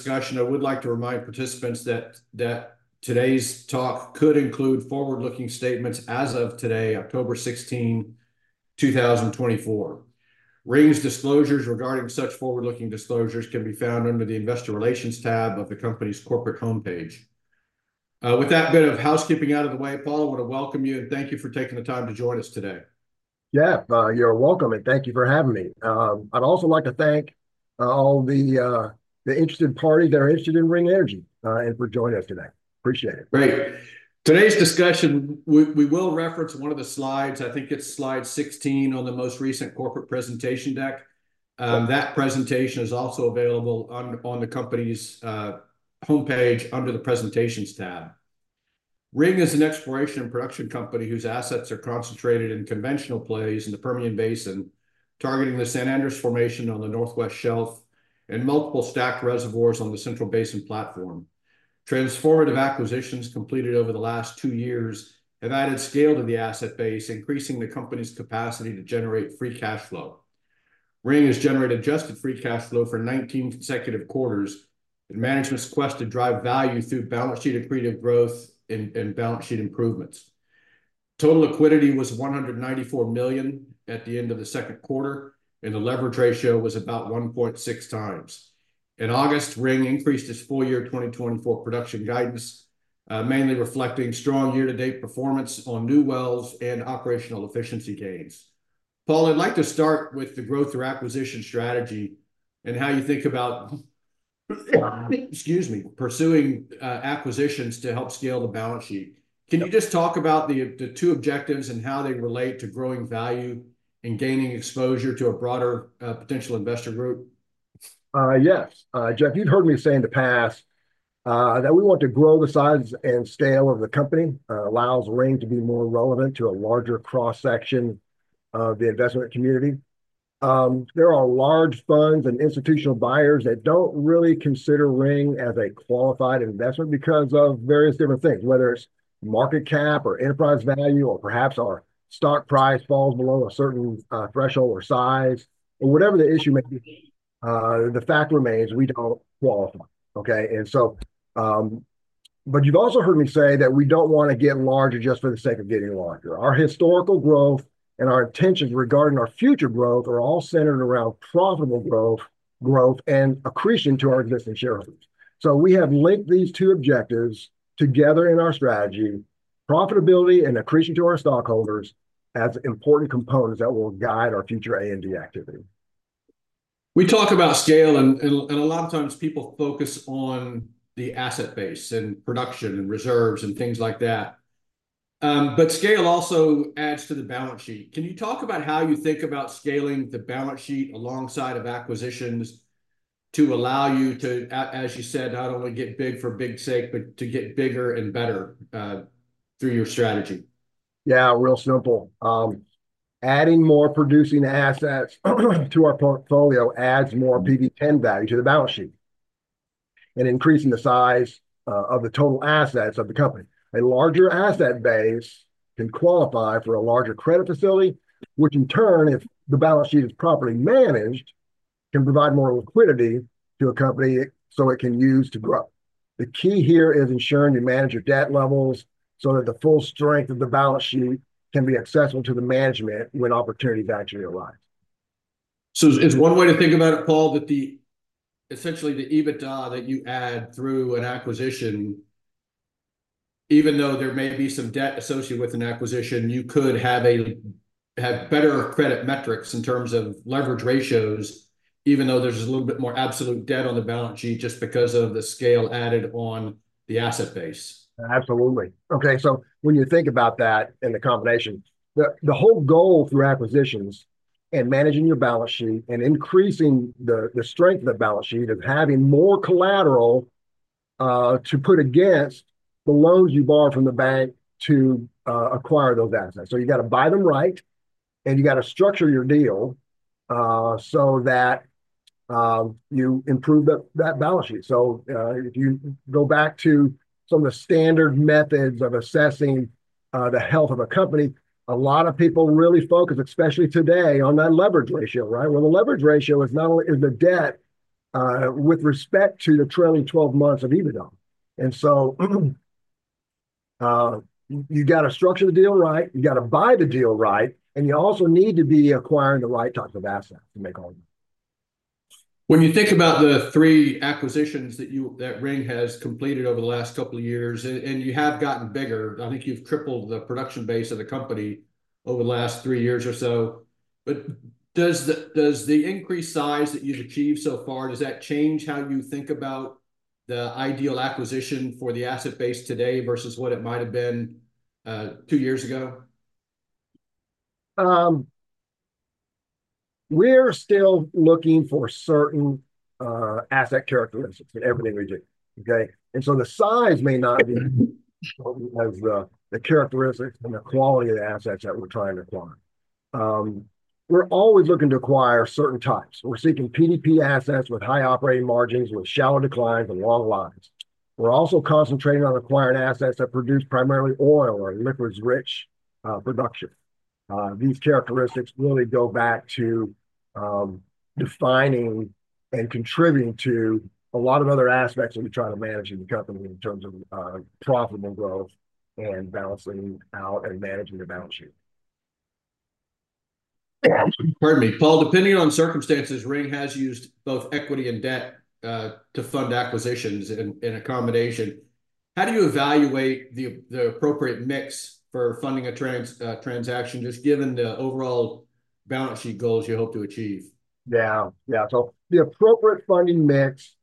discussion, I would like to remind participants that today's talk could include forward-looking statements as of today, October 16, 2024. Ring's disclosures regarding such forward-looking disclosures can be found under the Investor Relations tab of the company's corporate homepage. With that bit of housekeeping out of the way, Paul, I want to welcome you and thank you for taking the time to join us today. Yeah, you're welcome, and thank you for having me. I'd also like to thank all the interested parties that are interested in Ring Energy, and for joining us today. Appreciate it. Great. Today's discussion, we will reference one of the slides, I think it's Slide 16 on the most recent corporate presentation deck. Yep. That presentation is also available on the company's homepage under the Presentations tab. Ring is an exploration and production company whose assets are concentrated in conventional plays in the Permian Basin, targeting the San Andres Formation on the Northwest Shelf and multiple stacked reservoirs on the Central Basin Platform. Transformative acquisitions completed over the last two years have added scale to the asset base, increasing the company's capacity to generate free cash flow. Ring has generated adjusted free cash flow for 19 consecutive quarters, and management's quest to drive value through balance sheet accretive growth and balance sheet improvements. Total liquidity was $194 million at the end of the Q2, and the leverage ratio was about 1.6 times. In August, Ring increased its full year 2024 production guidance, mainly reflecting strong year-to-date performance on new wells and operational efficiency gains. Paul, I'd like to start with the growth through acquisition strategy and how you think about, excuse me, pursuing, acquisitions to help scale the balance sheet. Can you just talk about the two objectives and how they relate to growing value and gaining exposure to a broader, potential investor group? Yes, Jeff, you've heard me say in the past that we want to grow the size and scale of the company allows Ring to be more relevant to a larger cross-section of the investment community. There are large funds and institutional buyers that don't really consider Ring as a qualified investment because of various different things, whether it's market cap or enterprise value, or perhaps our stock price falls below a certain threshold or size. But whatever the issue may be, the fact remains we don't qualify, okay? But you've also heard me say that we don't want to get larger just for the sake of getting larger. Our historical growth and our intentions regarding our future growth are all centered around profitable growth, growth and accretion to our existing shareholders. We have linked these two objectives together in our strategy, profitability and accretion to our stockholders, as important components that will guide our future A&D activity. We talk about scale, and a lot of times people focus on the asset base and production and reserves and things like that. But scale also adds to the balance sheet. Can you talk about how you think about scaling the balance sheet alongside of acquisitions to allow you to, as you said, not only get big for big sake, but to get bigger and better through your strategy? Yeah, real simple. Adding more producing assets to our portfolio adds more PV-10 value to the balance sheet and increasing the size of the total assets of the company. A larger asset base can qualify for a larger credit facility, which in turn, if the balance sheet is properly managed, can provide more liquidity to a company so it can use to grow. The key here is ensuring you manage your debt levels so that the full strength of the balance sheet can be accessible to the management when opportunity actually arrives. So is one way to think about it, Paul, that essentially the EBITDA that you add through an acquisition, even though there may be some debt associated with an acquisition, you could have better credit metrics in terms of leverage ratios, even though there's a little bit more absolute debt on the balance sheet just because of the scale added on the asset base? Absolutely. Okay, so when you think about that and the combination, the whole goal through acquisitions and managing your balance sheet and increasing the strength of the balance sheet is having more collateral to put against the loans you borrow from the bank to acquire those assets. So you gotta buy them right, and you gotta structure your deal so that you improve that balance sheet. So, if you go back to some of the standard methods of assessing the health of a company, a lot of people really focus, especially today, on that leverage ratio, right? Well, the leverage ratio is not only, is the debt with respect to the trailing twelve months of EBITDA. And so, you gotta structure the deal right, you gotta buy the deal right, and you also need to be acquiring the right type of assets to make all of it. When you think about the three acquisitions that you, that Ring has completed over the last couple of years, and you have gotten bigger, I think you've tripled the production base of the company over the last three years or so. But does the increased size that you've achieved so far, does that change how you think about the ideal acquisition for the asset base today versus what it might have been two years ago? We're still looking for certain asset characteristics in everything we do, okay, and so the size may not be as the characteristics and the quality of the assets that we're trying to acquire. We're always looking to acquire certain types. We're seeking PDP assets with high operating margins, with shallow declines and long lives. We're also concentrating on acquiring assets that produce primarily oil or liquids-rich production. These characteristics really go back to defining and contributing to a lot of other aspects that we try to manage in the company in terms of profitable growth and balancing out and managing the balance sheet. Pardon me. Paul, depending on circumstances, Ring has used both equity and debt to fund acquisitions in a combination. How do you evaluate the appropriate mix for funding a transaction, just given the overall balance sheet goals you hope to achieve? Yeah. Yeah, so the appropriate funding mix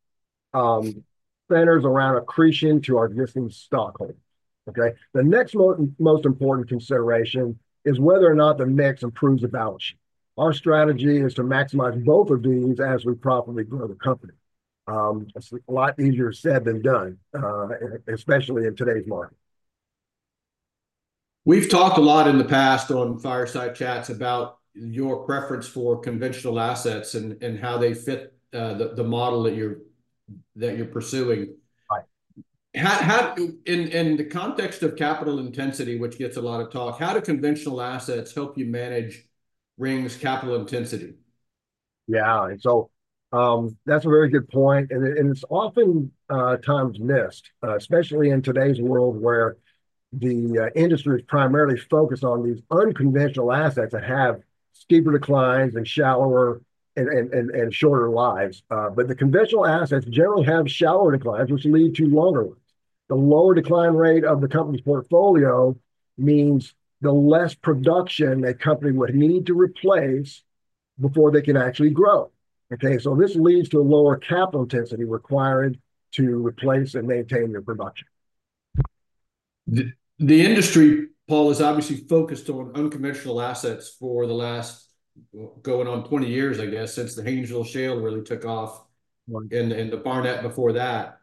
centers around accretion to our existing stockholders, okay? The next most important consideration is whether or not the mix improves the balance sheet. Our strategy is to maximize both of these as we profitably grow the company. It's a lot easier said than done, especially in today's market. We've talked a lot in the past on Fireside Chats about your preference for conventional assets and how they fit the model that you're pursuing. Right. How in the context of capital intensity, which gets a lot of talk, how do conventional assets help you manage Ring's capital intensity? Yeah. So, that's a very good point, and it's often times missed, especially in today's world, where the industry is primarily focused on these unconventional assets that have steeper declines and shallower and shorter lives. But the conventional assets generally have shallower declines, which lead to longer lives. The lower decline rate of the company's portfolio means the less production a company would need to replace before they can actually grow, okay? So this leads to a lower capital intensity required to replace and maintain their production. The industry, Paul, is obviously focused on unconventional assets for the last going on twenty years, I guess, since the Haynesville Shale really took off. Mm And the Barnett before that.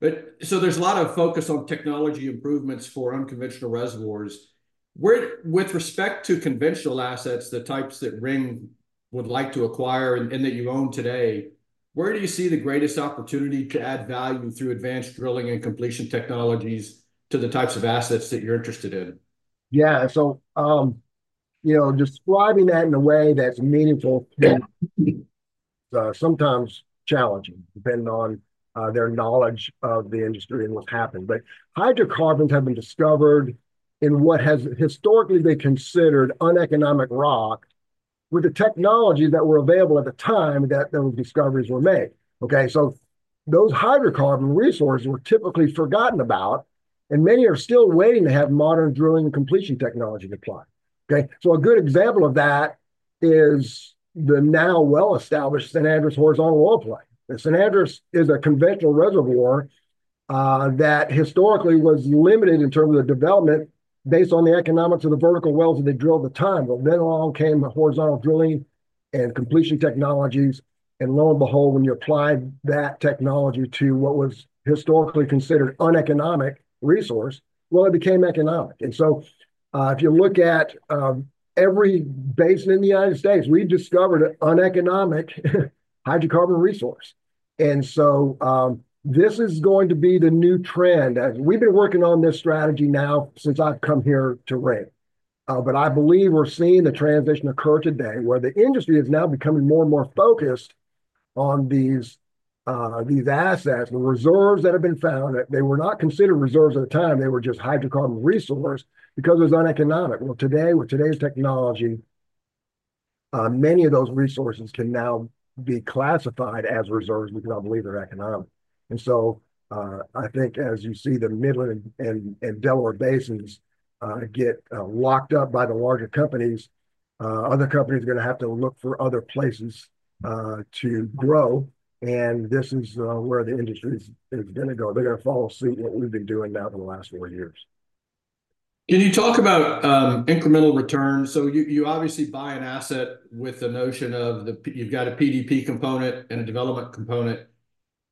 But so there's a lot of focus on technology improvements for unconventional reservoirs. Where, with respect to conventional assets, the types that Ring would like to acquire and that you own today, where do you see the greatest opportunity to add value through advanced drilling and completion technologies to the types of assets that you're interested in? Yeah. So, you know, describing that in a way that's meaningful, sometimes challenging, depending on, their knowledge of the industry and what's happened. But hydrocarbons have been discovered in what has historically been considered uneconomic rock with the technologies that were available at the time that those discoveries were made, okay? So those hydrocarbon resources were typically forgotten about, and many are still waiting to have modern drilling and completion technology applied, okay? So a good example of that is the now well-established San Andres horizontal oil play. The San Andres is a conventional reservoir, that historically was limited in terms of the development based on the economics of the vertical wells that they drilled at the time. But then along came the horizontal drilling and completion technologies, and lo and behold, when you applied that technology to what was historically considered uneconomic resource, well, it became economic. And so, if you look at every basin in the United States, we've discovered an uneconomic hydrocarbon resource. And so, this is going to be the new trend. And we've been working on this strategy now since I've come here to Ring. But I believe we're seeing the transition occur today, where the industry is now becoming more and more focused on these assets, the reserves that have been found. They were not considered reserves at the time. They were just hydrocarbon resource because it was uneconomic. Well, today, with today's technology, many of those resources can now be classified as reserves. We now believe they're economic. And so, I think as you see the Midland and Delaware Basins get locked up by the larger companies, other companies are gonna have to look for other places to grow, and this is where the industry is gonna go. They're gonna follow suit in what we've been doing now for the last four years. Can you talk about incremental returns? So you obviously buy an asset with the notion of the PDP. You've got a PDP component and a development component.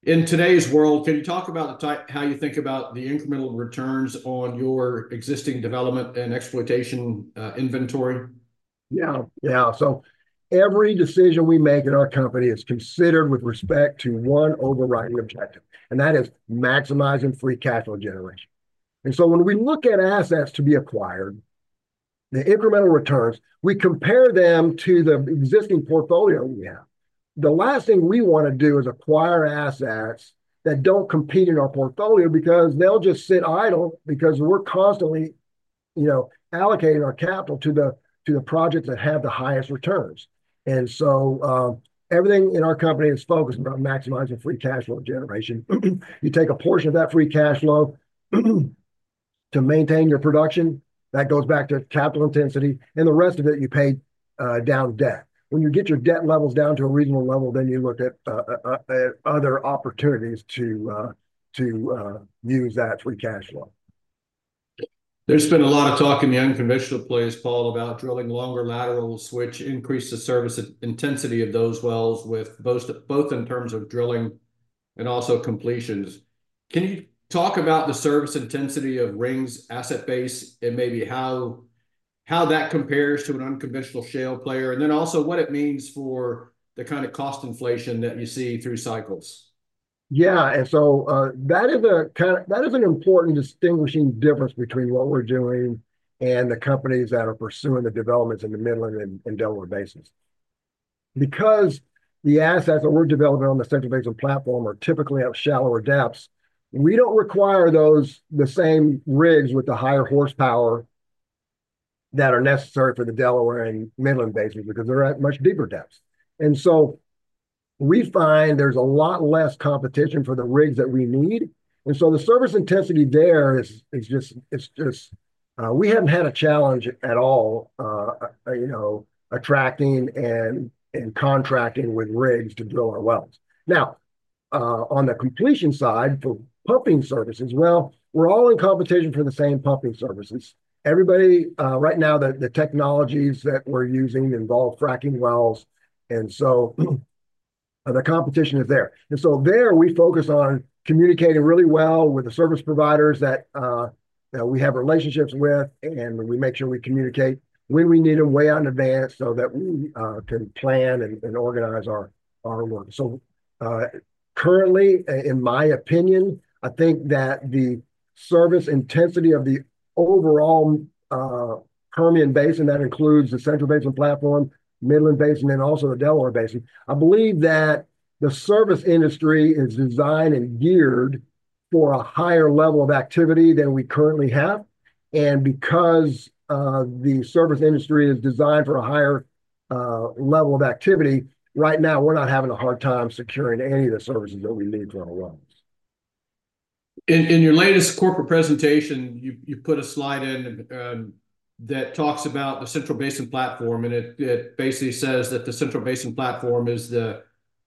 In today's world, can you talk about how you think about the incremental returns on your existing development and exploitation inventory? Yeah, yeah. So every decision we make at our company is considered with respect to one overriding objective, and that is maximizing free cash flow generation. And so when we look at assets to be acquired, the incremental returns, we compare them to the existing portfolio we have. The last thing we want to do is acquire assets that don't compete in our portfolio, because they'll just sit idle, because we're constantly, you know, allocating our capital to the projects that have the highest returns. And so everything in our company is focused on maximizing free cash flow generation. You take a portion of that free cash flow to maintain your production, that goes back to capital intensity, and the rest of it, you pay down debt. When you get your debt levels down to a reasonable level, then you look at other opportunities to use that free cash flow. There's been a lot of talk in the unconventional plays, Paul, about drilling longer laterals, which increase the service intensity of those wells with both in terms of drilling and also completions. Can you talk about the service intensity of Ring's asset base and maybe how that compares to an unconventional shale player, and then also what it means for the kind of cost inflation that you see through cycles? Yeah, and so that is an important distinguishing difference between what we're doing and the companies that are pursuing the developments in the Midland and Delaware Basins. Because the assets that we're developing on the Central Basin Platform are typically of shallower depths, we don't require those same rigs with the higher horsepower that are necessary for the Delaware and Midland Basins, because they're at much deeper depths. And so we find there's a lot less competition for the rigs that we need, and so the service intensity there is just. We haven't had a challenge at all, you know, attracting and contracting with rigs to drill our wells. Now, on the completion side, for pumping services, well, we're all in competition for the same pumping services. Everybody, right now, the technologies that we're using involve fracking wells, and so the competition is there, and so there we focus on communicating really well with the service providers that we have relationships with, and we make sure we communicate when we need them way out in advance so that we can plan and organize our work, so currently, in my opinion, I think that the service intensity of the overall Permian Basin, that includes the Central Basin Platform, Midland Basin, and also the Delaware Basin, I believe that the service industry is designed and geared for a higher level of activity than we currently have. And because the service industry is designed for a higher level of activity, right now we're not having a hard time securing any of the services that we need for our wells. In your latest corporate presentation, you put a slide in, and that talks about the Central Basin Platform, and it basically says that the Central Basin Platform is the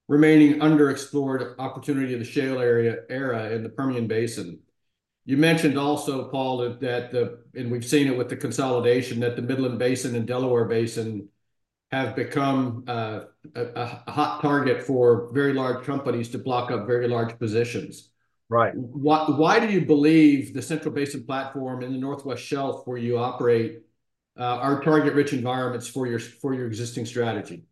remaining underexplored opportunity of the shale era in the Permian Basin. You mentioned also, Paul. We've seen it with the consolidation that the Midland Basin and Delaware Basin have become a hot target for very large companies to block up very large positions. Right. Why, why do you believe the Central Basin Platform and the Northwest Shelf, where you operate, are target-rich environments for your, for your existing strategy?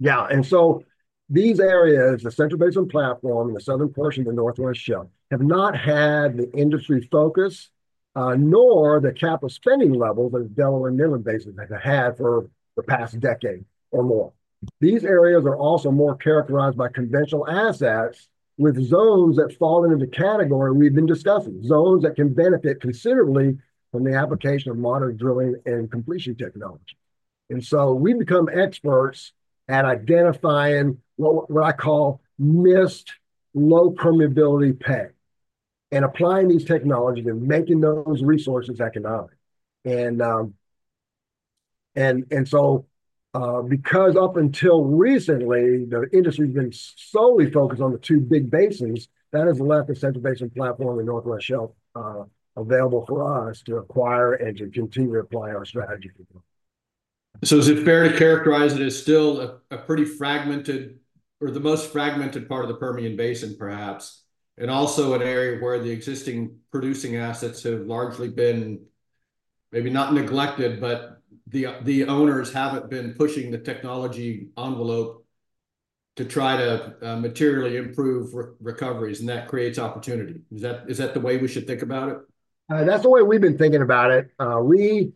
Yeah, and so these areas, the Central Basin Platform and the southern portion of the Northwest Shelf, have not had the industry focus, nor the capital spending levels that Delaware Basin and Midland Basin have had for the past decade or more. These areas are also more characterized by conventional assets, with zones that fall into the category we've been discussing, zones that can benefit considerably from the application of modern drilling and completion technology. And so we've become experts at identifying what I call missed low permeability pay, and applying these technologies and making those resources economic. And so, because up until recently, the industry's been solely focused on the two big basins, that has left the Central Basin Platform and Northwest Shelf available for us to acquire and to continue to apply our strategy to. So is it fair to characterize it as still a pretty fragmented, or the most fragmented part of the Permian Basin, perhaps, and also an area where the existing producing assets have largely been maybe not neglected, but the owners haven't been pushing the technology envelope to try to materially improve recoveries, and that creates opportunity? Is that the way we should think about it? That's the way we've been thinking about it. When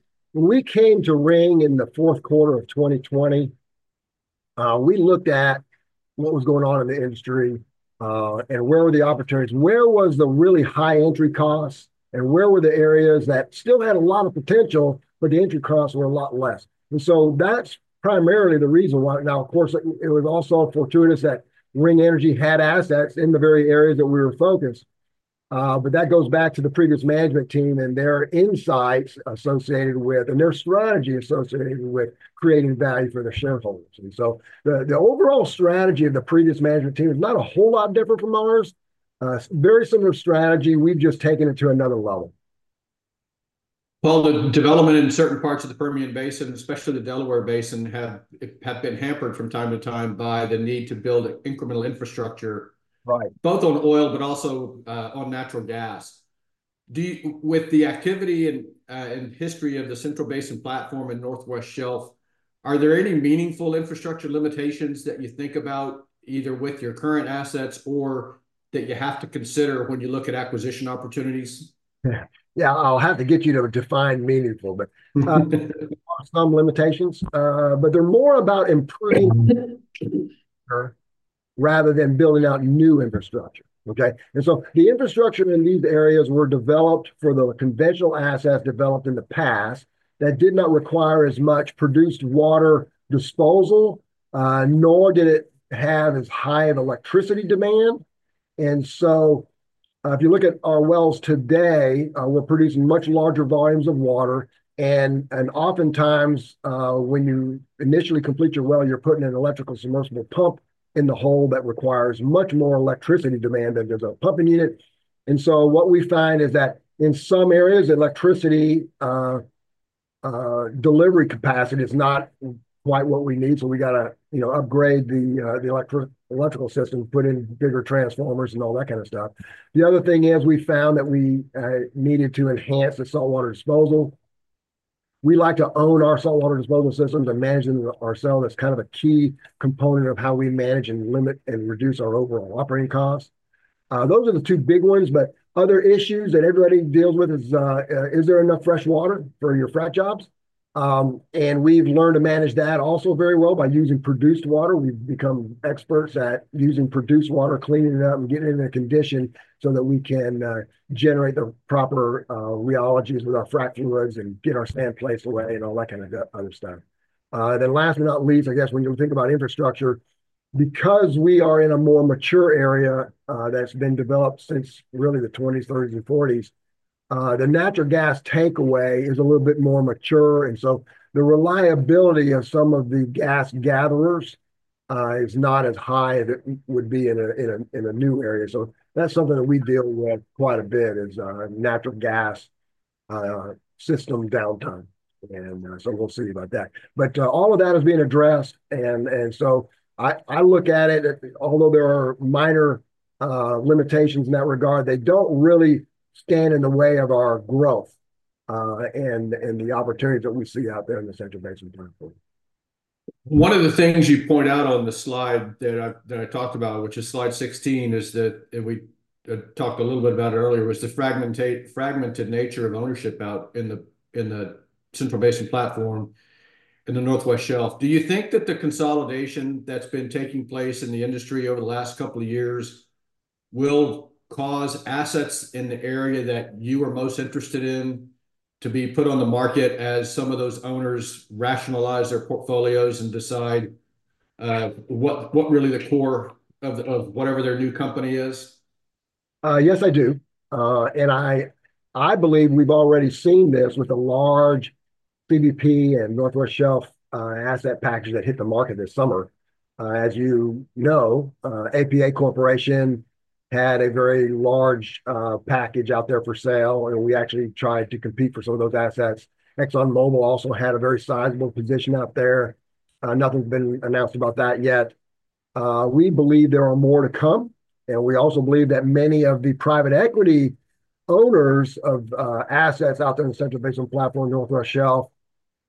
we came to Ring in the Q4 of 2020, we looked at what was going on in the industry, and where were the opportunities, and where was the really high entry costs, and where were the areas that still had a lot of potential, but the entry costs were a lot less? And so that's primarily the reason why. Now, of course, it was also fortuitous that Ring Energy had assets in the very areas that we were focused. But that goes back to the previous management team and their insights associated with, and their strategy associated with creating value for their shareholders. And so the overall strategy of the previous management team is not a whole lot different from ours. It's a very similar strategy. We've just taken it to another level. Paul, the development in certain parts of the Permian Basin, especially the Delaware Basin, has been hampered from time to time by the need to build incremental infrastructure. Right both on oil, but also, on natural gas. Do you, with the activity and history of the Central Basin Platform and Northwest Shelf, are there any meaningful infrastructure limitations that you think about, either with your current assets or that you have to consider when you look at acquisition opportunities? Yeah. Yeah, I'll have to get you to define "meaningful," but some limitations, but they're more about improving rather than building out new infrastructure, okay? And so the infrastructure in these areas were developed for the conventional assets developed in the past that did not require as much produced water disposal, nor did it have as high of electricity demand. And so, if you look at our wells today, we're producing much larger volumes of water, and oftentimes, when you initially complete your well, you're putting an electrical submersible pump in the hole that requires much more electricity demand than does a pumping unit. And so what we find is that in some areas, electricity delivery capacity is not quite what we need, so we gotta, you know, upgrade the electrical system, put in bigger transformers, and all that kind of stuff. The other thing is we needed to enhance the saltwater disposal. We like to own our saltwater disposal systems and manage them ourselves. That's kind of a key component of how we manage and limit and reduce our overall operating costs. Those are the two big ones, but other issues that everybody deals with is, is there enough fresh water for your frac jobs? And we've learned to manage that also very well by using produced water. We've become experts at using produced water, cleaning it up, and getting it in a condition so that we can generate the proper rheologies with our frac fluids and get our sand placed away, and all that kind of other stuff, then last but not least, I guess when you think about infrastructure, because we are in a more mature area that's been developed since really the 1920s, 1930s, and 1940s, the natural gas takeaway is a little bit more mature, and so the reliability of some of the gas gatherers is not as high as it would be in a new area. So that's something that we deal with quite a bit is natural gas system downtime, and so we'll see about that. But all of that is being addressed, and so I look at it. Although there are minor limitations in that regard, they don't really stand in the way of our growth, and the opportunities that we see out there in the Central Basin Platform. One of the things you point out on the slide that I've, that I talked about, which is Slide 16, is that, and we talked a little bit about it earlier, was the fragmented nature of ownership out in the Central Basin Platform in the Northwest Shelf. Do you think that the consolidation that's been taking place in the industry over the last couple of years will cause assets in the area that you are most interested in to be put on the market as some of those owners rationalize their portfolios and decide what really the core of the of whatever their new company is? Yes, I do, and I believe we've already seen this with the large CBP and Northwest Shelf asset package that hit the market this summer. As you know, APA Corporation had a very large package out there for sale, and we actually tried to compete for some of those assets. ExxonMobil also had a very sizable position out there. Nothing's been announced about that yet. We believe there are more to come, and we also believe that many of the private equity owners of assets out there in the Central Basin Platform, Northwest Shelf,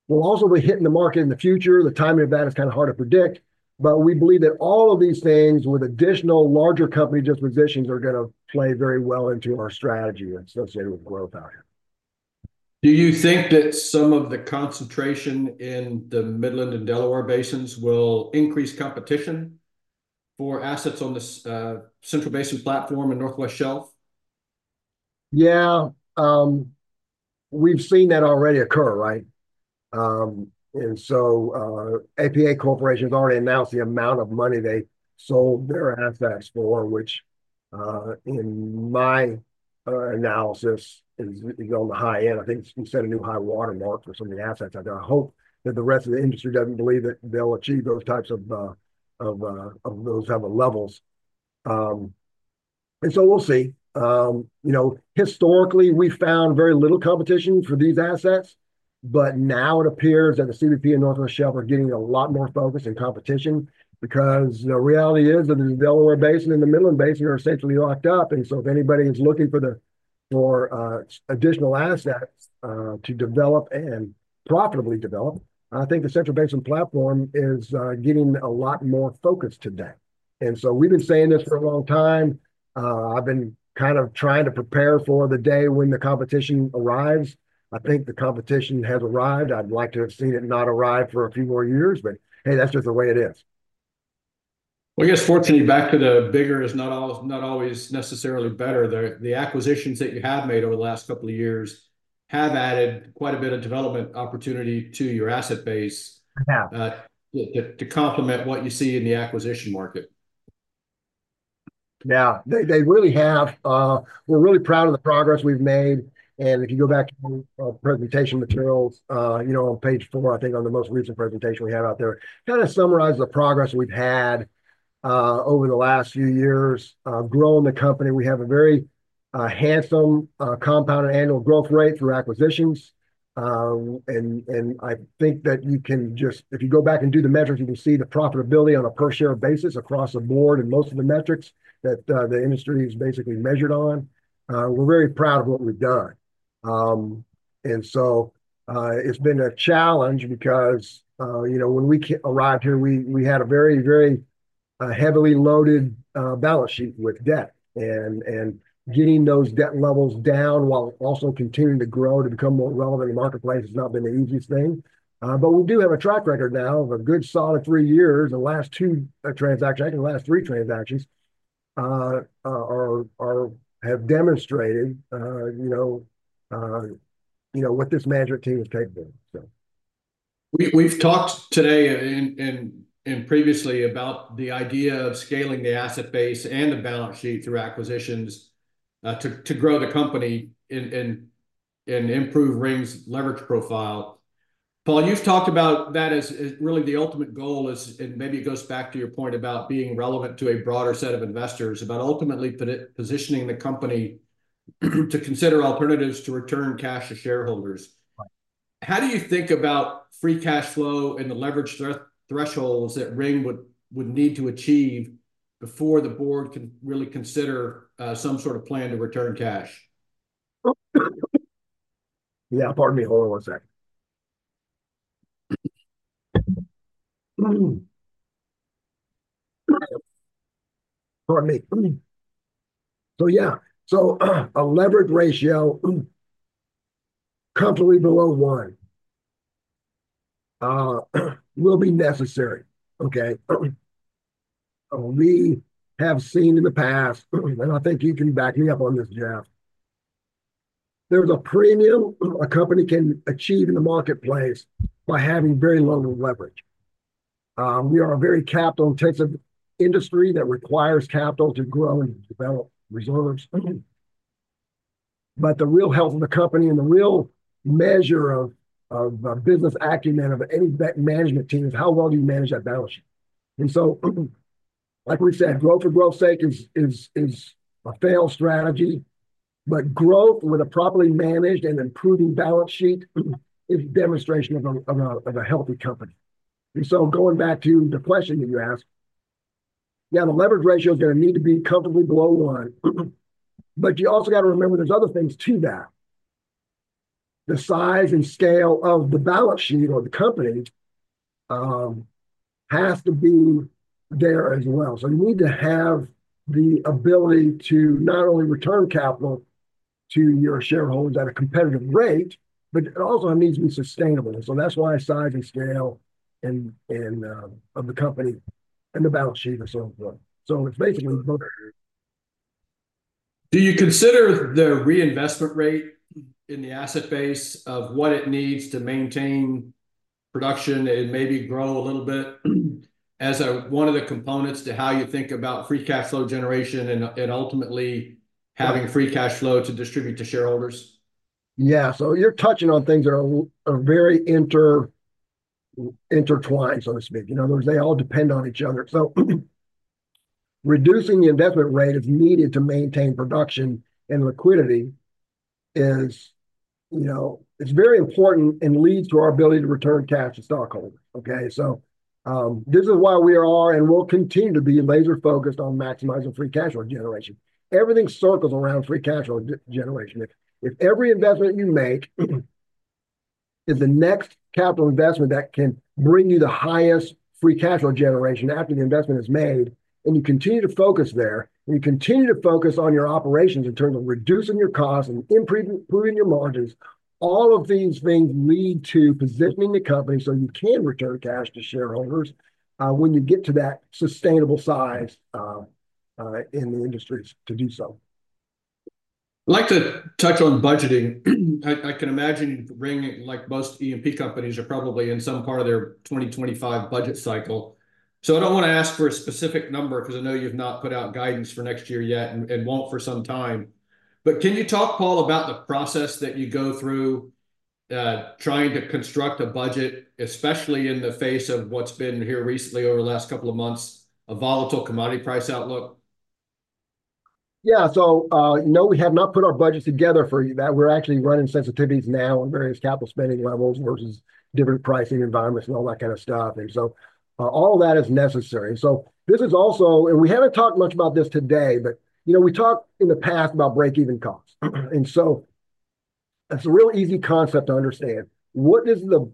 will also be hitting the market in the future. The timing of that is kind of hard to predict, but we believe that all of these things, with additional larger company dispositions, are gonna play very well into our strategy associated with growth out here. Do you think that some of the concentration in the Midland and Delaware Basins will increase competition for assets on the Central Basin Platform and Northwest Shelf? Yeah. We've seen that already occur, right? And so, APA Corporation's already announced the amount of money they sold their assets for, which, in my analysis, is on the high end. I think it's set a new high watermark for some of the assets out there. I hope that the rest of the industry doesn't believe that they'll achieve those types of levels. And so we'll see. You know, historically, we found very little competition for these assets, but now it appears that the CBP and Northwest Shelf are getting a lot more focus and competition because the reality is that the Delaware Basin and the Midland Basin are essentially locked up. And so if anybody is looking for the additional assets to develop and profitably develop, I think the Central Basin Platform is getting a lot more focus today. And so we've been saying this for a long time. I've been kind of trying to prepare for the day when the competition arrives. I think the competition has arrived. I'd like to have seen it not arrive for a few more years, but hey, that's just the way it is. I guess fortunately, back to the bigger is not always necessarily better, the acquisitions that you have made over the last couple of years have added quite a bit of development opportunity to your asset base- Yeah To complement what you see in the acquisition market. Yeah, they, they really have. We're really proud of the progress we've made, and if you go back to my presentation materials, you know, on page four, I think, on the most recent presentation we have out there, kind of summarizes the progress we've had over the last few years growing the company. We have a very handsome compounded annual growth rate through acquisitions. And I think that you can just... If you go back and do the metrics, you can see the profitability on a per-share basis across the board in most of the metrics that the industry is basically measured on. We're very proud of what we've done. And so, it's been a challenge because, you know, when we arrived here, we had a very, very heavily loaded balance sheet with debt. And getting those debt levels down while also continuing to grow to become more relevant in the marketplace has not been the easiest thing. But we do have a track record now of a good, solid three years. The last two transactions, I think the last three transactions, have demonstrated, you know, you know, what this management team is capable of, so... We've talked today and previously about the idea of scaling the asset base and the balance sheet through acquisitions to grow the company and improve Ring's leverage profile. Paul, you've talked about that as really the ultimate goal, and maybe it goes back to your point about being relevant to a broader set of investors, about ultimately positioning the company to consider alternatives to return cash to shareholders. Right. How do you think about free cash flow and the leverage thresholds that Ring would need to achieve before the board can really consider some sort of plan to return cash? Yeah, pardon me. Hold on one second. Pardon me. So yeah, a leverage ratio, comfortably below one, will be necessary, okay? We have seen in the past, and I think you can back me up on this, Jeff. There's a premium a company can achieve in the marketplace by having very low leverage. We are a very capital-intensive industry that requires capital to grow and develop reserves. But the real health of the company and the real measure of business acumen of any management team is how well you manage that balance sheet. And so, like we said, growth for growth's sake is a failed strategy, but growth with a properly managed and improving balance sheet is demonstration of a healthy company. And so going back to the question that you asked, yeah, the leverage ratio is gonna need to be comfortably below one. But you also got to remember there's other things, too, now. The size and scale of the balance sheet or the company has to be there as well. So you need to have the ability to not only return capital to your shareholders at a competitive rate, but it also needs to be sustainable. So that's why size and scale and of the company and the balance sheet are so important. So it's basically both- Do you consider the reinvestment rate in the asset base of what it needs to maintain production and maybe grow a little bit as one of the components to how you think about free cash flow generation and ultimately having free cash flow to distribute to shareholders? Yeah. So you're touching on things that are, are very intertwined, so to speak. You know, they all depend on each other. So, reducing the investment rate if needed to maintain production and liquidity is, you know... it's very important and leads to our ability to return cash to stockholders. Okay, so, this is why we are and will continue to be laser focused on maximizing free cash flow generation. Everything circles around free cash flow generation. If every investment you make is the next capital investment that can bring you the highest free cash flow generation after the investment is made, and you continue to focus there, and you continue to focus on your operations in terms of reducing your costs and improving your margins, all of these things lead to positioning the company so you can return cash to shareholders, when you get to that sustainable size, in the industries to do so. I'd like to touch on budgeting. I can imagine you've been like most E&P companies, are probably in some part of their twenty twenty-five budget cycle. So I don't want to ask for a specific number, 'cause I know you've not put out guidance for next year yet and won't for some time. But can you talk, Paul, about the process that you go through, trying to construct a budget, especially in the face of what's been happening recently over the last couple of months, a volatile commodity price outlook? Yeah. So, no, we have not put our budget together for you, that we're actually running sensitivities now on various capital spending levels versus different pricing environments and all that kind of stuff. And so, all that is necessary. So this is also, and we haven't talked much about this today, but, you know, we talked in the past about break-even costs. And so that's a real easy concept to understand: what is the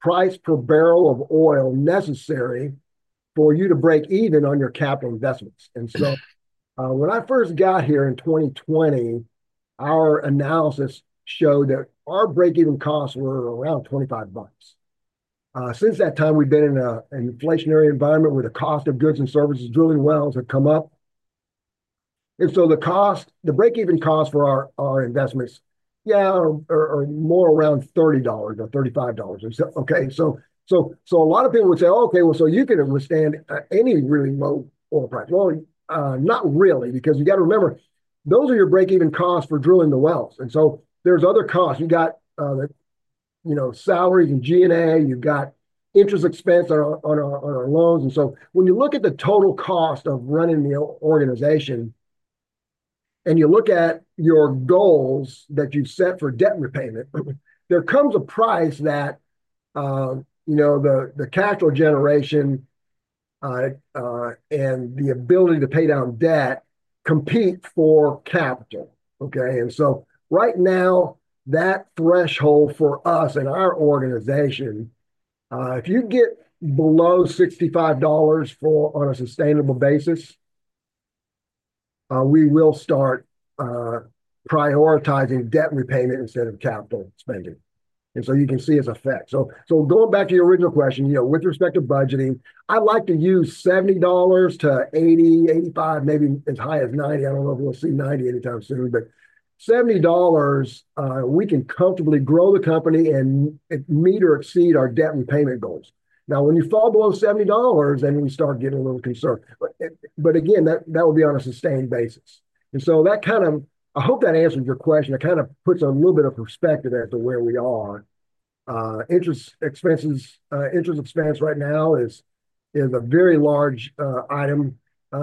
price per barrel of oil necessary for you to break even on your capital investments? And so, when I first got here in 2020, our analysis showed that our break-even costs were around $25. Since that time, we've been in an inflationary environment where the cost of goods and services, drilling wells have come up. So the cost, the break-even cost for our investments, yeah, is more around $30 or $35 or so. Okay, so a lot of people would say, "Okay, well, so you can withstand any really low oil price." Well, not really, because you've got to remember, those are your break-even costs for drilling the wells, and so there's other costs. You've got, you know, salaries and G&A, you've got interest expense on our loans. So when you look at the total cost of running the organization, and you look at your goals that you've set for debt repayment, there comes a price that, you know, the cash flow generation and the ability to pay down debt compete for capital, okay? Right now, that threshold for us and our organization, if you get below $65 for on a sustainable basis, we will start prioritizing debt repayment instead of capital spending. And so you can see its effect. So going back to your original question, you know, with respect to budgeting, I'd like to use $70 to $80-$85, maybe as high as $90. I don't know if we'll see $90 anytime soon, but $70, we can comfortably grow the company and meet or exceed our debt repayment goals. Now, when you fall below $70, then we start getting a little concerned. But again, that would be on a sustained basis. And so that kind of. I hope that answered your question. It kind of puts a little bit of perspective as to where we are. Interest expenses, interest expense right now is a very large item, you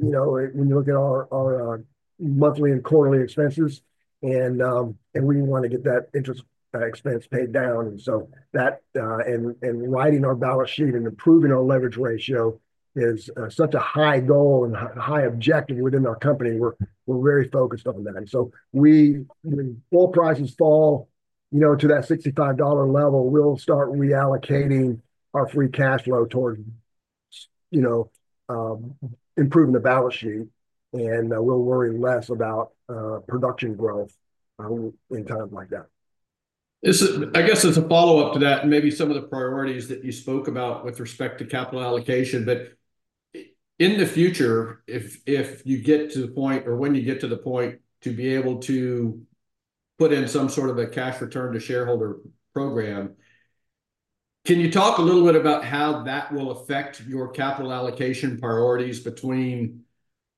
know, when you look at our monthly and quarterly expenses... and, and we want to get that interest expense paid down. And so that, and righting our balance sheet and improving our leverage ratio is such a high goal and high objective within our company. We're very focused on that. And so when oil prices fall, you know, to that $65-dollar level, we'll start reallocating our free cash flow towards, you know, improving the balance sheet, and, we'll worry less about, production growth, in times like that. This is, I guess as a follow-up to that, and maybe some of the priorities that you spoke about with respect to capital allocation. But in the future, if you get to the point, or when you get to the point, to be able to put in some sort of a cash return to shareholder program, can you talk a little bit about how that will affect your capital allocation priorities between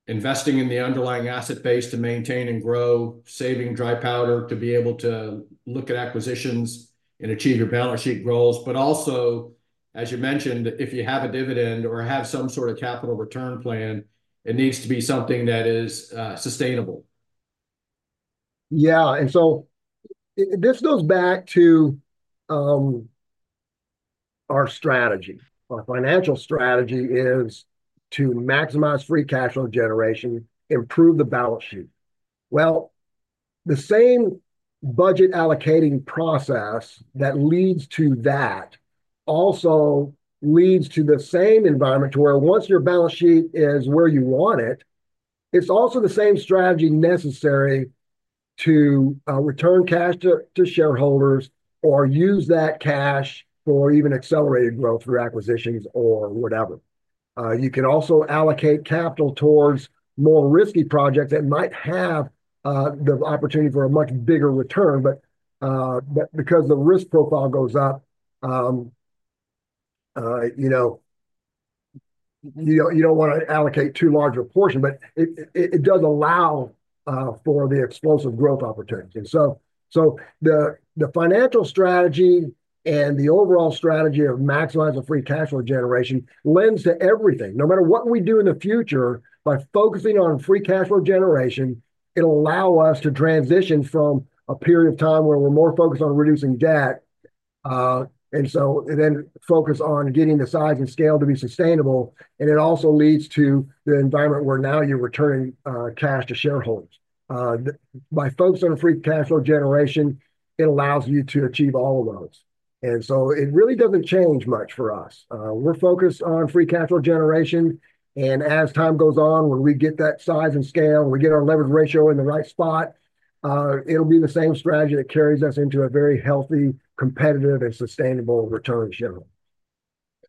investing in the underlying asset base to maintain and grow, saving dry powder to be able to look at acquisitions and achieve your balance sheet goals? But also, as you mentioned, if you have a dividend or have some sort of capital return plan, it needs to be something that is sustainable. Yeah, and so this goes back to our strategy. Our financial strategy is to maximize free cash flow generation, improve the balance sheet. Well, the same budget allocating process that leads to that also leads to the same environment, to where once your balance sheet is where you want it, it's also the same strategy necessary to return cash to shareholders, or use that cash for even accelerated growth through acquisitions or whatever. You can also allocate capital towards more risky projects that might have the opportunity for a much bigger return, but because the risk profile goes up, you know, you don't want to allocate too large a portion, but it does allow for the explosive growth opportunity. So the financial strategy and the overall strategy of maximizing free cash flow generation lends to everything. No matter what we do in the future, by focusing on free cash flow generation, it will allow us to transition from a period of time where we are more focused on reducing debt, and then focus on getting the size and scale to be sustainable, and it also leads to the environment where now you are returning cash to shareholders. By focusing on free cash flow generation, it allows you to achieve all of those. And so it really does not change much for us. We're focused on free cash flow generation, and as time goes on, when we get that size and scale, we get our leverage ratio in the right spot, it'll be the same strategy that carries us into a very healthy, competitive, and sustainable return in general.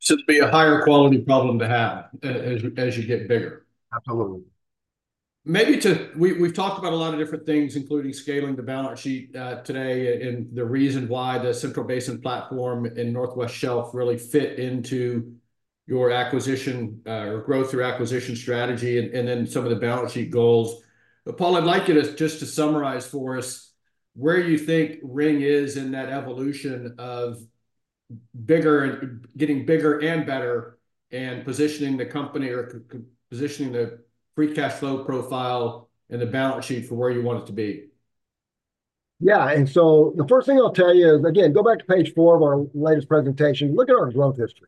So it'd be a higher quality problem to have, as you get bigger? Absolutely. We, we've talked about a lot of different things, including scaling the balance sheet, today, and the reason why the Central Basin Platform and Northwest Shelf really fit into your acquisition, or growth through acquisition strategy, and then some of the balance sheet goals. But, Paul, I'd like you to just to summarize for us where you think Ring is in that evolution of bigger, and getting bigger and better, and positioning the company or positioning the free cash flow profile and the balance sheet for where you want it to be. Yeah. And so the first thing I'll tell you is, again, go back to page four of our latest presentation, look at our growth history.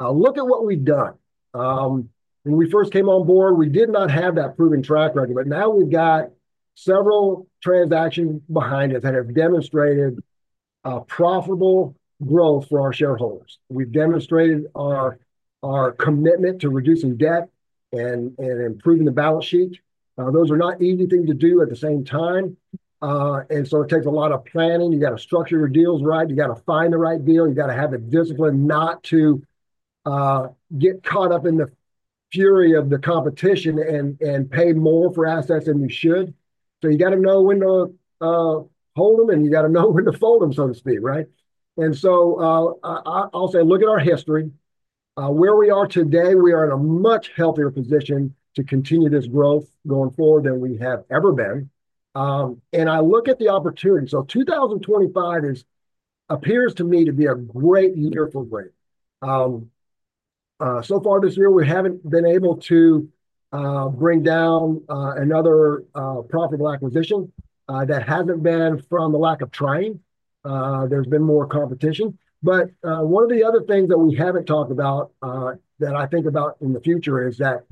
Look at what we've done. When we first came on board, we did not have that proven track record, but now we've got several transactions behind us that have demonstrated profitable growth for our shareholders. We've demonstrated our commitment to reducing debt and improving the balance sheet. Those are not easy things to do at the same time, and so it takes a lot of planning. You've got to structure your deals right. You've got to find the right deal. You've got to have the discipline not to get caught up in the fury of the competition and pay more for assets than you should. So you've got to know when to hold them, and you've got to know when to fold them, so to speak, right? And so, I, I'll say, look at our history. Where we are today, we are in a much healthier position to continue this growth going forward than we have ever been. And I look at the opportunity. So 2025 appears to me to be a great year for growth. So far this year, we haven't been able to bring down another profitable acquisition. That hasn't been from the lack of trying. There's been more competition. But one of the other things that we haven't talked about that I think about in the future is that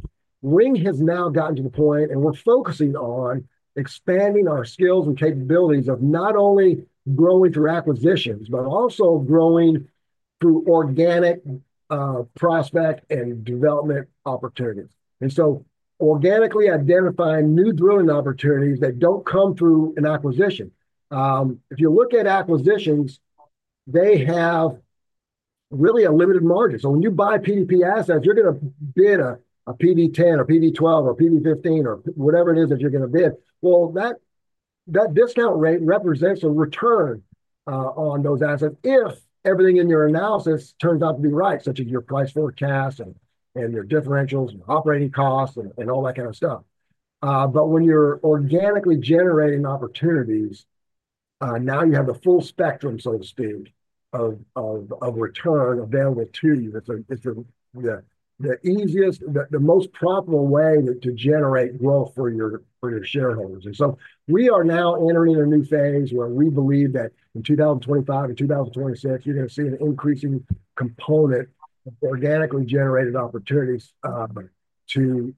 Ring has now gotten to the point, and we're focusing on expanding our skills and capabilities of not only growing through acquisitions, but also growing through organic prospect and development opportunities. And so organically identifying new drilling opportunities that don't come through an acquisition. If you look at acquisitions, they have really a limited margin. So when you buy PDP assets, you're going to bid a PV-10, or a PV-12, or a PV-15, or PV-whatever it is that you're going to bid. Well, that discount rate represents a return on those assets if everything in your analysis turns out to be right, such as your price forecast, and your differentials, and operating costs, and all that kind of stuff. But when you're organically generating opportunities, now you have the full spectrum, so to speak, of return available to you. It's the easiest, the most profitable way to generate growth for your shareholders. And so we are now entering a new phase where we believe that in 2025 and 2026, you're gonna see an increasing component of organically generated opportunities to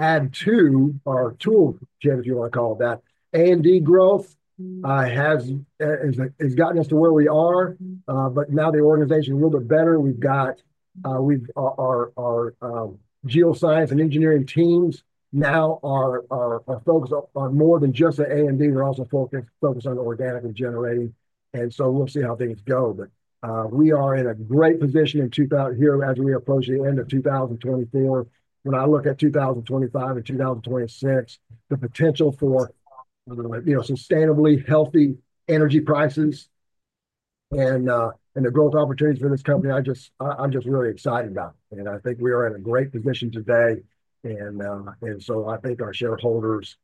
add to our tool kit, if you wanna call it that. A&D growth has gotten us to where we are. Mm. But now the organization a little bit better. We've got our geoscience and engineering teams now are focused on more than just the A&D. We're also focused on organically generating, and so we'll see how things go. But we are in a great position in 2024 here as we approach the end of 2024. When I look at 2025 and 2026, the potential for, you know, sustainably healthy energy prices and the growth opportunities for this company, I just, I'm just really excited about it. And I think we are in a great position today, and so I think our shareholders,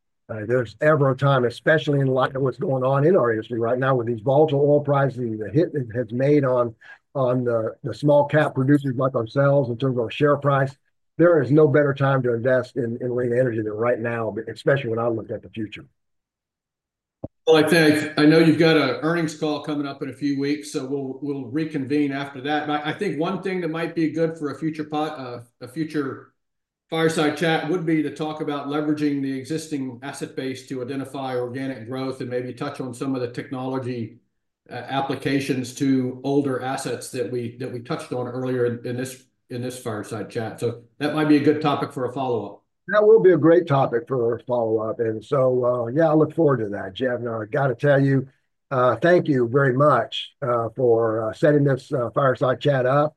there's ever a time, especially in light of what's going on in our industry right now with these volatile oil prices, the hit that it has made on the small cap producers like ourselves in terms of our share price. There is no better time to invest in Ring Energy than right now, especially when I looked at the future. I think I know you've got an earnings call coming up in a few weeks, so we'll reconvene after that. I think one thing that might be good for a future Fireside Chat would be to talk about leveraging the existing asset base to identify organic growth and maybe touch on some of the technology applications to older assets that we touched on earlier in this Fireside Chat. That might be a good topic for a follow-up. That will be a great topic for a follow-up, and so, yeah, I look forward to that. Jeff, and I gotta tell you, thank you very much for setting this Fireside Chat up.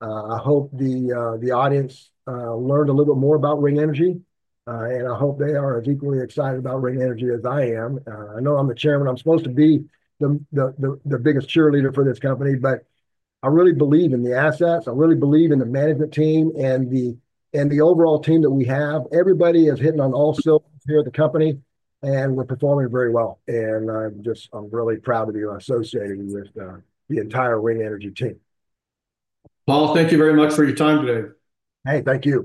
I hope the audience learned a little bit more about Ring Energy, and I hope they are as equally excited about Ring Energy as I am. I know I'm the chairman. I'm supposed to be the biggest cheerleader for this company, but I really believe in the assets. I really believe in the management team and the overall team that we have. Everybody is hitting on all cylinders here at the company, and we're performing very well, and I'm just... I'm really proud to be associated with the entire Ring Energy team. Paul, thank you very much for your time today. Hey, thank you.